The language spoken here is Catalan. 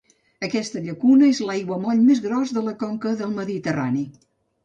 Aquesta llacuna és l'aiguamoll més gros de la conca del Mediterrani.